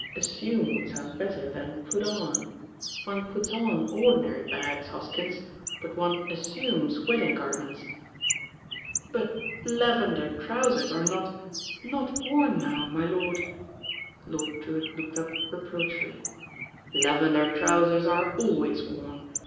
'As sume' would sound better than 'put on.' One puts on ordinary bags, Hoskins; but one 'assumes' wed ding garments." "But lavender trousers are not — not worn now, my lord." Lord Drewitt looked up reproachfully. "Lavender trousers are always worn.